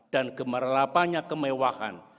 dan gemerlapanya kemewahan